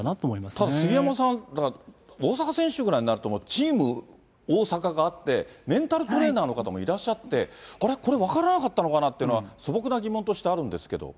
ただ、杉山さん、大坂選手ぐらいになると、チーム大坂があって、メンタルトレーナーの方もいらっしゃって、あら？これ、分からなかったのかなというのは、素朴な疑問としてあるんですけど。